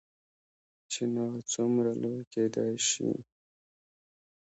چنار څومره لوی کیدی شي؟